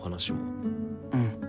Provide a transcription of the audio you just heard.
うん。